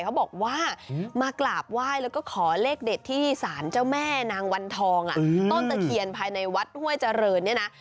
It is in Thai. เขาบอกว่ามากราบไหว้แล้วก็ขอเลขเด็ดที่สารเจ้าแม่นางวันทองต้นตะเคียนภายในวัดห้วยเจริญเนี่ยนะ